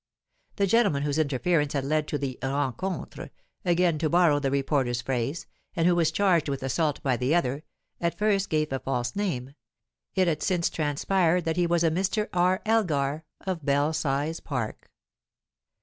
The gentleman whose interference had led to the rencontre again to borrow the reporter's phrase and who was charged with assault by the other, at first gave a false name; it had since transpired that he was a Mr. R. Elgar, of Belsize Park.